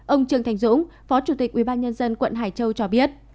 ông trương thành dũng phó chủ tịch ubnd quận hải châu cho biết